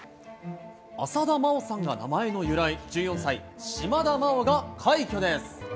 浅田真央さんが名前の由来、１４歳、島田麻央が快挙です。